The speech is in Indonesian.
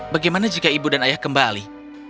bagaimana jika ibu dan ayah kembali